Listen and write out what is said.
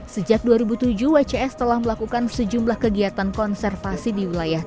sejak dua ribu tujuh wcs telah melakukan sejumlah kegiatan konservasi di wilayah